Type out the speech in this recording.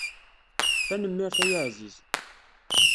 Tanemmirt ay aεziz.